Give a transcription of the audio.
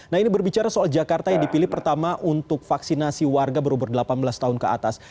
nah ini berbicara soal jakarta yang dipilih pertama untuk vaksinasi warga berumur delapan belas tahun ke atas